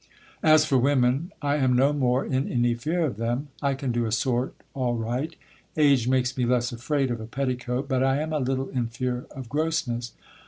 As for women, I am no more in any fear of them; I can do a sort all right; age makes me less afraid of a petticoat, but I am a little in fear of grossness.